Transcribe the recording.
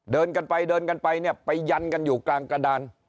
เดินกันไปเดินกันไปเนี่ยไปยันกันอยู่กลางกระดาน